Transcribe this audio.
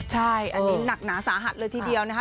ใช่อันนี้หนักหนาสาหัสเลยทีเดียวนะคะ